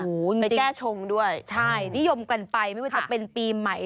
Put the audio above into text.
ไปแก้ชงด้วยใช่นิยมกันไปไม่ว่าจะเป็นปีใหม่